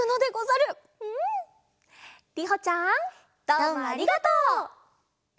どうもありがとう！